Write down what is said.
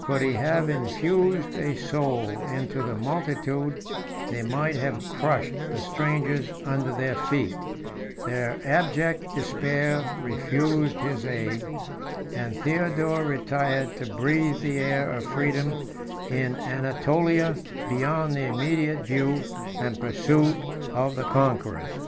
Could he have infused a soul into the multitude, they might have crushed the strangers under their feet: their abject despair refused his aid; and Theodore retired to breathe the air of freedom in Anatolia, beyond the immediate view and pursuit of the conquerors.